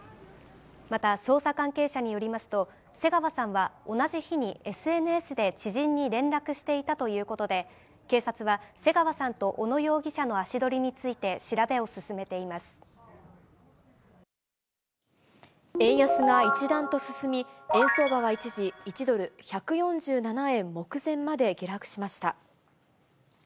また、捜査関係者によりますと、瀬川さんは同じ日にＳＮＳで知人に連絡していたということで、警察は瀬川さんと小野容疑者の足取りについて、調べを進めていま円安が一段と進み、円相場は一時１ドル１４７円目前まで下落しました。